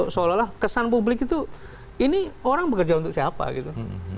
seolah olah kesan publik itu ini orang bekerja untuk siapa gitu